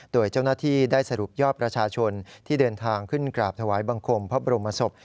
โดยเจ้าหน้าที่ได้สรุปยอดประชาชนที่เดินทางขึ้นกราบถวายบังคมพระบรมศพ